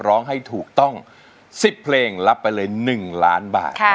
ร้องให้ถูกต้อง๑๐เพลงรับไปเลย๑ล้านบาท